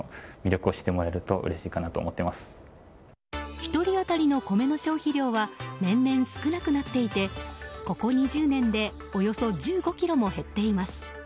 １人当たりの米の消費量は年々、少なくなっていてここ２０年でおよそ１５ｋｇも減っています。